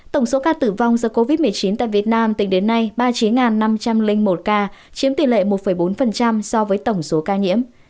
tổng số ca tử vong do covid một mươi chín tại việt nam tính đến nay ba mươi chín năm trăm linh một ca chiếm tỷ lệ một bốn so với tổng số ca nhiễm